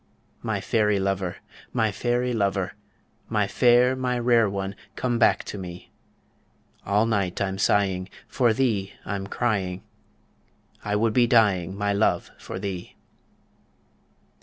My fairy lover, my fairy lover, My fair, my rare one, come back to me All night I'm sighing, for thee I'm crying, I would be dying, my love, for thee.